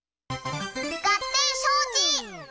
ガッテンしょうち！